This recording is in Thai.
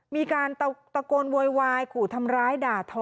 มีการตะโกนโวยวายขู่ทำร้ายด่าทอ